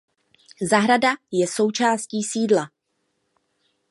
Zahrada je součástí sídla.